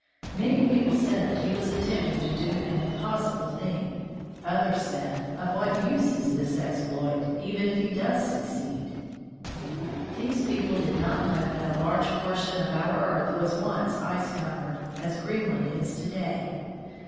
Many people said that he was attempting to do an impossible thing. Others said, " Of what use is this exploit, even if he does succeed ?" These people did not know that a large por tion of our earth was once ice covered, as Greenland is to day.